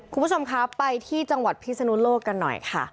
คุณผู้ชมครับไปที่จังหวัดพิศนุโลกกันหน่อยค่ะ